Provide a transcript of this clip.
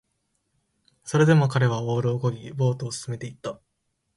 それでも彼はオールを漕ぎ、ボートを進めていった